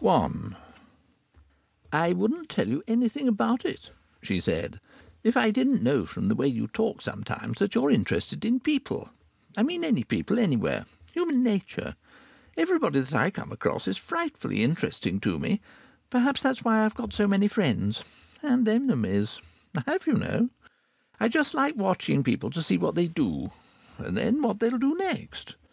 I I wouldn't tell you anything about it (she said) if I didn't know from the way you talk sometimes that you are interested in people. I mean any people, anywhere. Human nature! Everybody that I come across is frightfully interesting to me. Perhaps that's why I've got so many friends and enemies. I have, you know. I just like watching people to see what they do, and then what they'll do next.